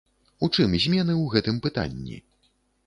У чым змены ў гэтым пытанні?